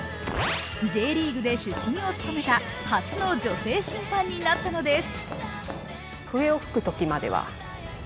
Ｊリーグで主審を務めた初の女性審判になったのです。